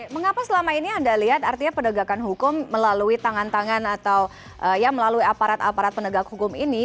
mengapa selama ini anda lihat artinya penegakan hukum melalui tangan tangan atau ya melalui aparat aparat penegak hukum ini